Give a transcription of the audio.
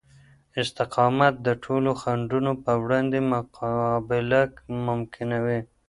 استقامت د ټولو خنډونو په وړاندې مقابله ممکنوي.